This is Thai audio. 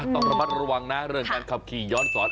ต้องระมัดระวังนะเรื่องการขับขี่ย้อนสอน